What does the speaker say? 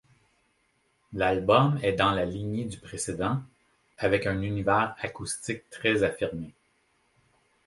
L’album est dans la lignée du précédent avec un univers acoustique très affirmé.